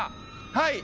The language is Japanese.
はい。